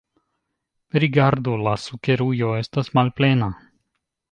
Rigardu, la sukerujo estas malplena.